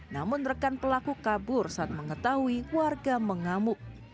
namun rekan pelaku kabur saat mengetahui warga mengamuk